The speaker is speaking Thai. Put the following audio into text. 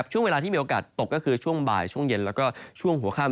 ช่วงเวลาที่มีโอกาสตกก็คือช่วงบ่ายช่วงเย็นแล้วก็ช่วงหัวข้าม